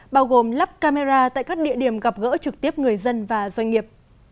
bao gồm lắp camera tại các địa điểm gặp gỡ trực tiếp người dân và doanh nghiệp